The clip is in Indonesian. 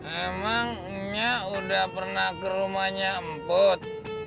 emang nya udah pernah ke rumahnya emput